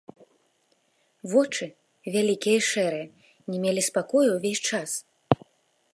Вочы, вялікія і шэрыя, не мелі спакою ўвесь час.